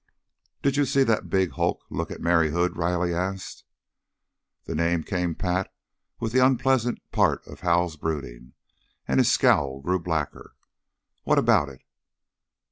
"Did you see the big hulk look at Mary Hood?" Riley asked. The name came pat with the unpleasant part of Hal's brooding, and his scowl grew blacker. "What about it?"